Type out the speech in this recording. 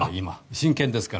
真剣ですから。